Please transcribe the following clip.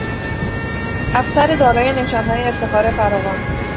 افسر دارای نشانهای افتخار فراوان